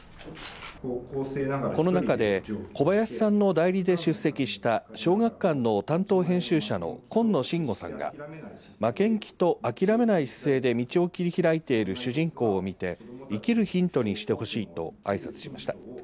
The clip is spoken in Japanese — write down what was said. この中で小林さんの代理で出席した小学館の担当編集者の今野真吾さんが負けん気と諦めない姿勢で道を切り開いている主人公を見て生きるヒントにしてほしいとあいさつしました。